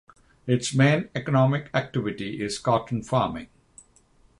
Its main economic activity is cotton farming.